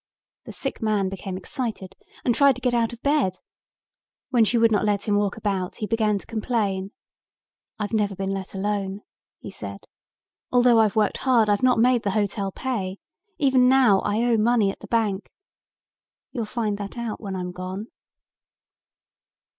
The sick man became excited and tried to get out of bed. When she would not let him walk about he began to complain. "I've never been let alone," he said. "Although I've worked hard I've not made the hotel pay. Even now I owe money at the bank. You'll find that out when I'm gone."